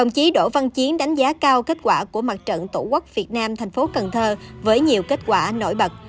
chí đỗ văn chiến đánh giá cao kết quả của mặt trận tổ quốc việt nam thành phố cần thơ với nhiều kết quả nổi bật